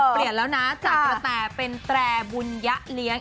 เปลี่ยนแล้วนะจากกระแตเป็นแตรบุญยะเลี้ยง